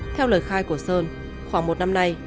theo lời khai của sơn khoảng một năm nay